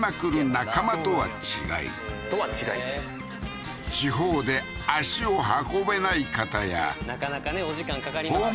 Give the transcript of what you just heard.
中間とは違い「とは違い」って地方で足を運べない方やなかなかねお時間かかりますからね